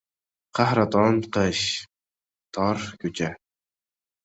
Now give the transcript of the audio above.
Qahraton qish... Tor ko‘cha.